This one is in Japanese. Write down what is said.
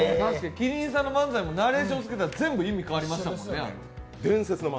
麒麟さんの漫才もナレーションをつけたら全部意味変わりましたもんね。